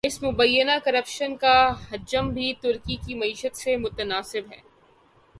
اس مبینہ کرپشن کا حجم بھی ترکی کی معیشت سے متناسب ہے۔